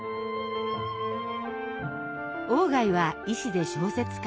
鴎外は医師で小説家。